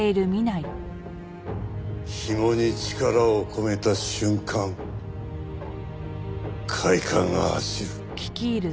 ひもに力を込めた瞬間快感が走る。